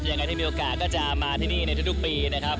ยังไงถ้ามีโอกาสก็จะมาที่นี่ในทุกปีนะครับ